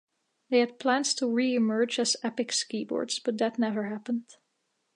They had plans to reemerge as Epic Skiboards, but that never happened.